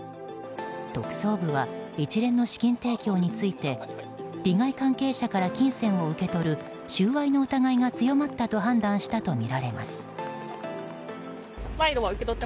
特捜部は一連の資金提供について利害関係者から金銭を受け取る収賄の疑いが強まったと判断されたとみられます。